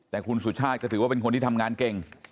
แต่คุณสุชาติก็ถือว่าเป็นคนที่ทำงานเก่ง